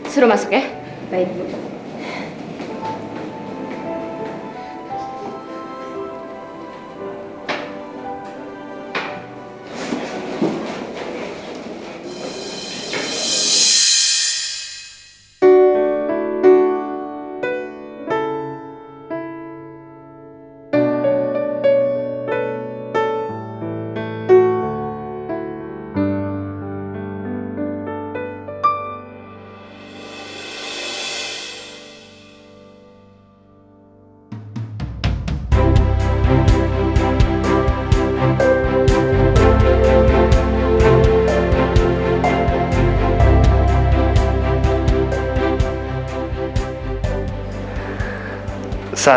suruh masuk ya